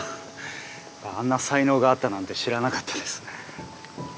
あんな才能があったなんて知らなかったです。